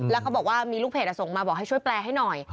แล้วเขาบอกว่ามีลูกเพจส่งมาบอกให้ช่วยแปลให้หน่อย